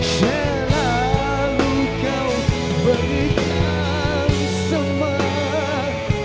selalu kau berikan sempat